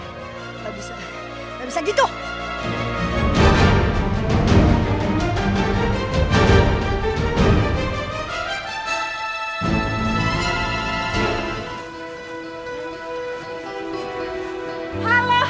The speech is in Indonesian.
tidak bisa tidak bisa gitu